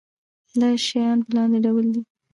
دا شیان په لاندې ډول دي.